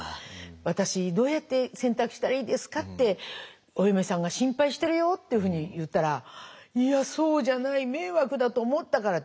私どうやって洗濯したらいいですか？』ってお嫁さんが心配してるよ」っていうふうに言ったら「いやそうじゃない。迷惑だと思ったから」